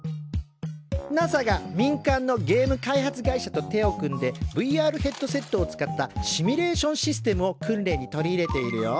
ＮＡＳＡが民間のゲーム開発会社と手を組んでＶＲヘッドセットを使ったシミュレーションシステムを訓練に取り入れているよ！